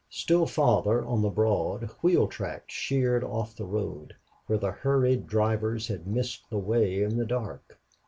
Still farther on the broad wheel tracks sheered off the road, where the hurried drivers had missed the way in the dark.